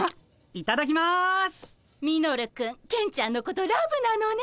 ミノルくんケンちゃんのことラブなのね。